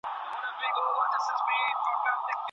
نظم د ټولګي د اداره کولو بنسټ دی.